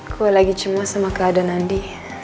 gue lagi cemas sama keadaan adi